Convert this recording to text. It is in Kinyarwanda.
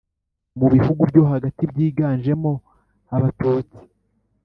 mu bihugu byo hagati byiganjemo abatutsi.